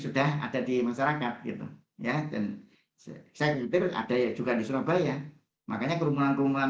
sudah ada di masyarakat gitu ya dan saya nyetir ada ya juga di surabaya makanya kerumunan kerumunan